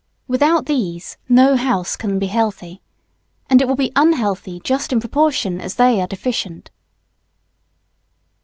Without these, no house can be healthy. And it will be unhealthy just in proportion as they are deficient.